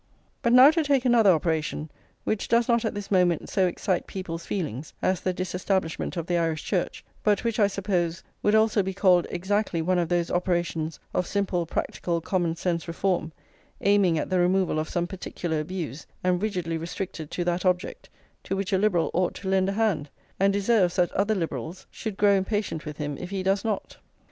But now to take another operation which does not at this moment so excite people's feelings as the disestablishment of the Irish Church, but which, I suppose, would also be called exactly one of those operations of simple, practical, common sense reform, aiming at the removal of some particular abuse, and rigidly restricted to that object, to which a Liberal ought to lend a hand, and deserves that other Liberals should grow impatient with him if he does not.